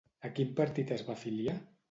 A quin partit es va afiliar?